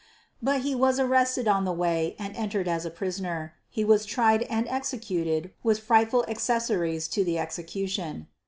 But he was arrested by the way and entered as a prisoner. He was tried and executed with frightful accessories to the execution.